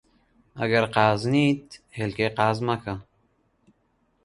ئەگەر قازنیت، هێلکەی قاز مەکە